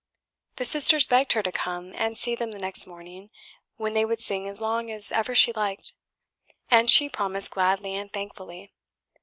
The sisters begged her to come and see them the next morning, when they would sing as long as ever she liked; and she promised gladly and thankfully.